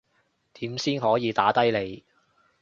點先可以打低你